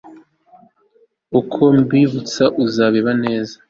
uko mbibutse nzabiba ineza